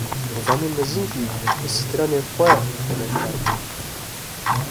Hozanê mezin jî bi stranên xwe beşdar bû